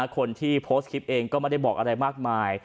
คนที่โพสต์คลิปเองก็ไม่ได้บอกอะไรมากมาย